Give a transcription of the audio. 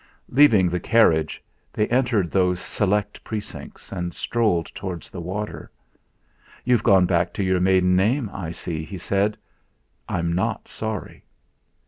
Leaving the carriage, they entered those select precincts, and strolled towards the water. "You've gone back to your maiden name, I see," he said: "I'm not sorry."